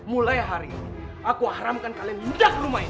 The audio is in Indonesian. mulai hari ini aku haramkan kalian mudah rumah ini